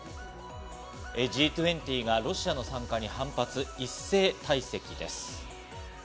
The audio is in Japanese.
Ｇ２０がロシアの参加に反発、一斉退席です。